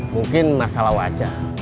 mungkin masalah wajah